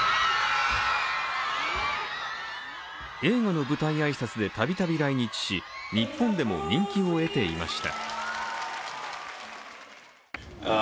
映画の舞台挨拶でたびたび来日し、日本でも人気を得ていました。